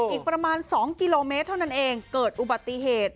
อีกประมาณ๒กิโลเมตรเท่านั้นเองเกิดอุบัติเหตุ